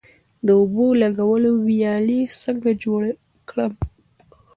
د اوبو لګولو ویالې څنګه جوړې کړم؟